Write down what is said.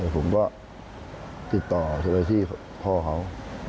ผมก็ติดต่อโทรไปที่พ่อเขา